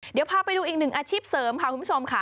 เดี๋ยวพาไปดูอีกหนึ่งอาชีพเสริมค่ะคุณผู้ชมค่ะ